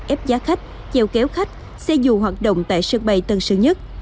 ép giá khách chèo kéo khách xe dù hoạt động tại sân bay tân sơn nhất